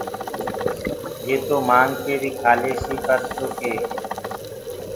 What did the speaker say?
يي تو مآنگ ڪي بيٚ کاليسيٚ پر ڪي